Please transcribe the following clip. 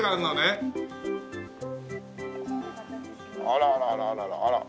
あららららら。